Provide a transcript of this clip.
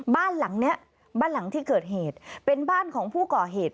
บ้านหลังเนี้ยบ้านหลังที่เกิดเหตุเป็นบ้านของผู้ก่อเหตุ